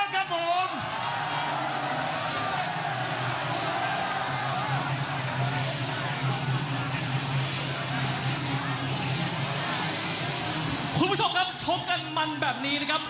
คุณผู้ชมครับชกกันมันแบบนี้นะครับ